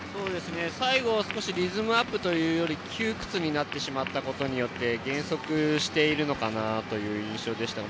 最後は少しリズムアップというより窮屈になってしまったことによって減速しているのかなという印象でしたね。